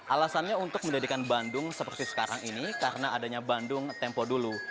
alasannya untuk menjadikan bandung seperti sekarang ini karena adanya bandung tempo dulu